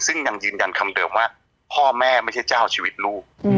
ซึ่งยังยืนยันคำเดิมว่าพ่อแม่ไม่ใช่เจ้าชีวิตลูก